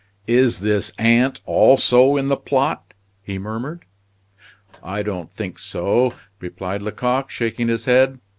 "Is this aunt also in the plot?" he murmured. "I don't think so," replied Lecoq, shaking his head.